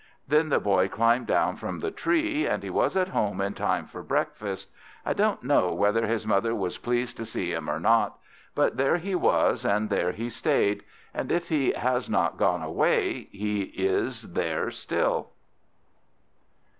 Then the Boy climbed down from the tree, and he was at home in time for breakfast. I don't know whether his mother was pleased to see him or not; but there he was, and there he stayed, and if he has not gone away, he is there still.